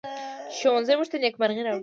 ښوونځی موږ ته نیکمرغي راوړي